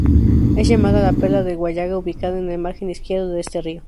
Es llamada la Perla del Huallaga, ubicada en la margen izquierda de este río.